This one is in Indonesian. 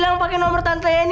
ini kan nomer tante yeni